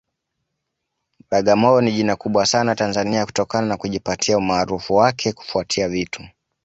Bagamoyo ni jina kubwa sana Tanzania kutokana na kujipatia umaarufu wake kufuatia vitu